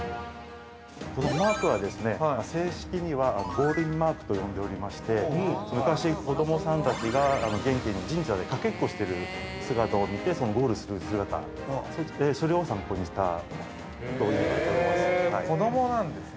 ◆このマークは、正式にはゴールインマークと呼んでおりまして昔、子供さんたちが元気に神社でかけっこしてる姿を見てゴールする姿それを参考にしたといわれております。